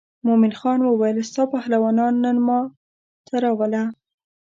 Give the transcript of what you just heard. مومن خان وویل ستا پهلوانان نن ما ته راوله.